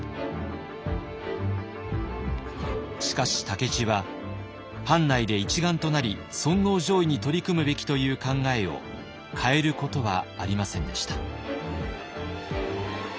しかし武市は藩内で一丸となり尊皇攘夷に取り組むべきという考えを変えることはありませんでした。